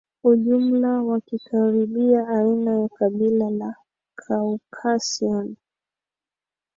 ujumla wakikaribia aina wa kabila la Caucasian